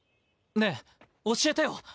ねえ教えてよ